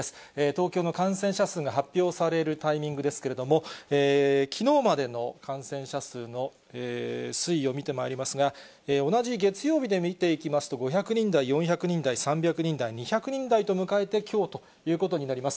東京の感染者数が発表されるタイミングですけれども、きのうまでの感染者数の推移を見てまいりますが、同じ月曜日で見ていきますと、５００人台、４００人台、３００人台、２００人台と迎えて、きょうということになります。